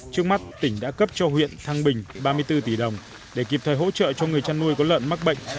trước mắt tỉnh đã cấp cho huyện thăng bình ba mươi bốn tỷ đồng để kịp thời hỗ trợ cho người chăn nuôi có lợn mắc bệnh